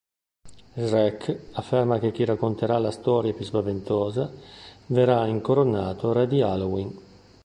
Shrek afferma che chi racconterà la storia più spaventosa verrà incoronato Re di Halloween.